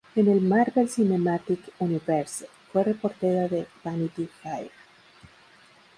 En el Marvel Cinematic Universe, fue reportera de "Vanity Fair".